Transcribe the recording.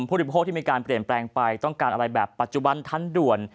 ผู้บริโภคที่มีการเปลี่ยนแปลงไปต้องการอะไรแบบปัจจุบันทันด่วน